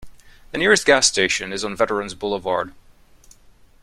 The nearest gas station is on Veterans Boulevard.